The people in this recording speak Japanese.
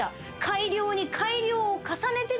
改良に改良を重ねてですね